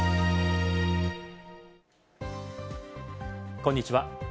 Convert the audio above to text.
こんにちは。